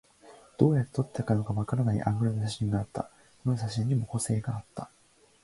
どうやって撮ったのかわからないアングルの写真もあった。どの写真にも個性があった。